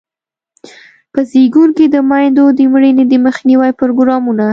په زیږون کې د میندو د مړینې د مخنیوي پروګرامونه.